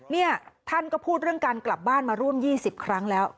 นี่ท่านก็พูดเรื่องการกลับบ้านมาร่วม๒๐ครั้งแล้ว